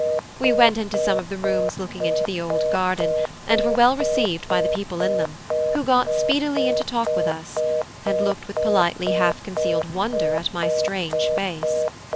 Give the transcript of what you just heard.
We went into some of the rooms looking into the old garden, and were well received by the people in them, who got speedily into talk with us, and looked with politely half concealed wonder at my strange face.